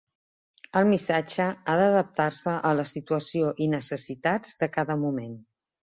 El missatge ha d'adaptar-se a la situació i necessitats de cada moment.